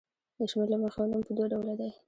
د شمېر له مخې نوم په دوه ډوله دی.